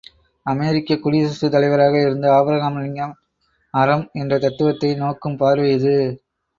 அமெரிக்க குடியரசுத் தலைவராக இருந்த ஆப்ரஹாம் லிங்கன் அறம் என்ற தத்துவத்தை நோக்கும் பார்வை இது!